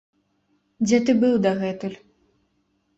Дзе ты быў дагэтуль?